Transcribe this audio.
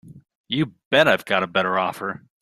You bet I've got a better offer.